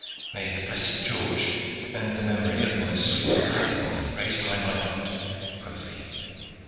"May the blessed George and the memory of my sweet lady love raise high my heart!" quoth he.